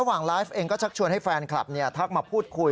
หลังไลฟ์เองก็ชักชวนให้แฟนคลับทักมาพูดคุย